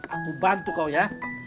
aku bantu kau ya